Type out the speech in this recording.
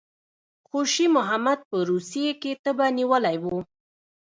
خوشي محمد په روسیې کې تبه نیولی وو.